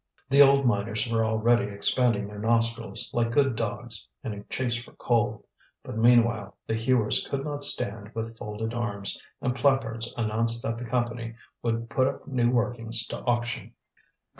The old miners were already expanding their nostrils, like good dogs, in a chase for coal. But, meanwhile, the hewers could not stand with folded arms, and placards announced that the Company would put up new workings to auction.